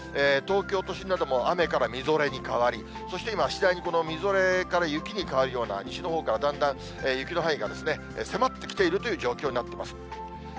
東京都心なども雨からみぞれに変わり、そして今は次第にみぞれから雪に変わるような、西のほうからだんだん雪の範囲が迫ってきているという状況になっています。